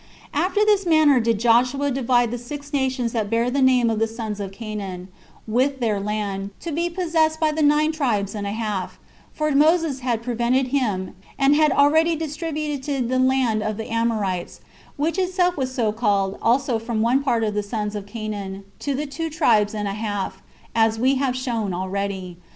23. After this manner did Joshua divide the six nations that bear the name of the sons of Canaan, with their land, to be possessed by the nine tribes and a half; for Moses had prevented him, and had already distributed the land of the Amorites, which itself was so called also from one of the sons of Canaan, to the two tribes and a half, as we have shown already.